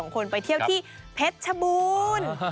๒คนไปเที่ยวที่เพร็จบูน